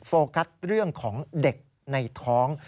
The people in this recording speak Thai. โฟกัสเรื่องของเด็กในท้อง